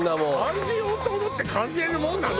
感じようと思って感じられるもんなの？